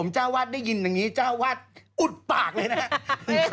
เจ้าวาดได้ยินอย่างนี้เจ้าวาดอุดปากเลยนะครับ